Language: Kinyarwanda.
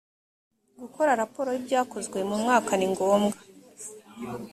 gukora raporo y’ibyakozwe mu mwaka ni ngombwa